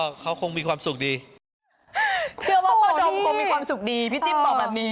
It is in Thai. เชื่อว่าพ่อโดมมีความสุขดีพี่จิ้มบอกแบบนี้